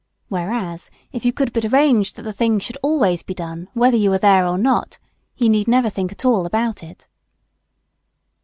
Whereas, if you could but arrange that the thing should always be done whether you are there or not, he need never think at all about it.